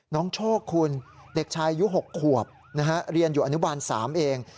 น้องโชคคุณเด็กชายอายุ๖ขวบเรียนอยู่อนุบาล๓เอง